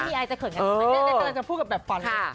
ไม่มีอายจะเขินกันอยากจะพูดกับแบบฟัน